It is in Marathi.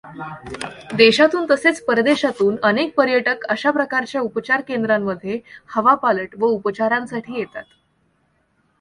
देशातून तसेच परदेशातून अनेक पर्यटक अशा प्रकारच्या उपचार केंद्रांमध्ये हवापालट व उपचारांसाठी येतात.